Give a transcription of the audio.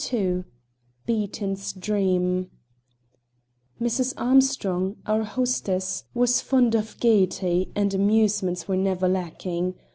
II BEATON'S DREAM Mrs. Armstrong, our hostess, was fond of gaiety, and amusements were never lacking.